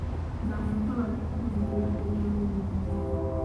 Bamulekwa bajja kufuna embeera z'obulamu ennungi.